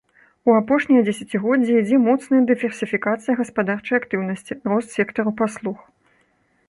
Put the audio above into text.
У апошнія дзесяцігоддзі ідзе моцная дыверсіфікацыя гаспадарчай актыўнасці, рост сектару паслуг.